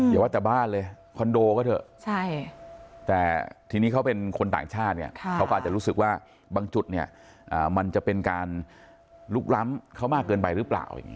อย่าว่าแต่บ้านเลยคอนโดก็เถอะแต่ทีนี้เขาเป็นคนต่างชาติเนี่ยเขาก็อาจจะรู้สึกว่าบางจุดเนี่ยมันจะเป็นการลุกล้ำเขามากเกินไปหรือเปล่าอย่างนี้